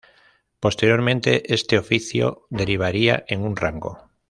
Posteriormente, este oficio derivaría en un rango.